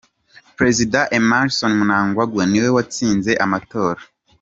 Prezida Emmerson Mnangagwa niwe watsinze amatora.